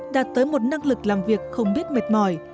đạt tới một năng lực làm việc không biết mệt mỏi